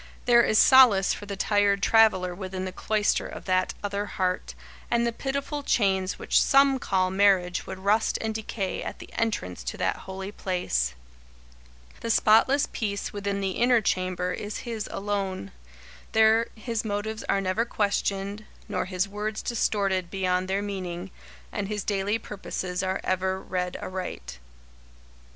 There is solace for the tired traveller within the cloister of that other heart, and the pitiful chains which some call marriage would rust and decay at the entrance to that holy place. The spotless peace within the inner chamber is his alone. There his motives are never questioned, nor his words distorted beyond their meaning, and his daily purposes are ever read aright.